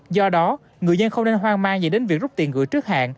do đó người dân không nên hoang mang gì đến việc rút tiền gửi trước hạn